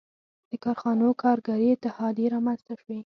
• د کارخانو کارګري اتحادیې رامنځته شوې.